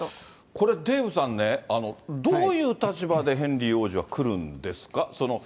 これ、デーブさんね、どういう立場でヘンリー王子は来るんですか？